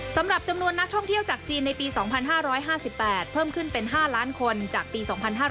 สำหรับจำนวนนักท่องเที่ยวจากจีนในปี๒๕๕๘เพิ่มขึ้นเป็น๕ล้านคนจากปี๒๕๕๙